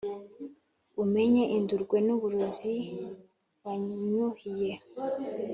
umenye indurwe n’uburozi wanyuhiye!